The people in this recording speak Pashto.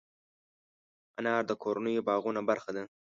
انار د کورنیو باغونو برخه ده.